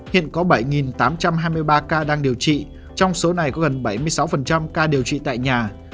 hiện có bảy tám trăm hai mươi ba ca đang điều trị trong số này có gần bảy mươi sáu ca điều trị tại nhà